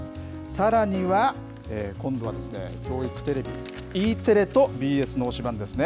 さらには、今度は、教育テレビ、ＥテレとＢＳの推しバン！ですね。